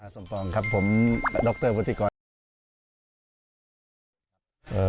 สมภองครับผมดรพฤษภาคม